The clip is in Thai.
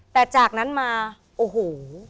แต่จากนั้นมาโอ้โห